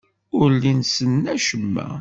Ur llin ssnen acemma.